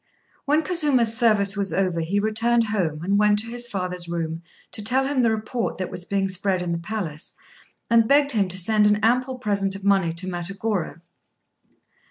When Kazuma's service was over, he returned home, and went to his father's room to tell him the report that was being spread in the palace, and begged him to send an ample present of money to Matagorô.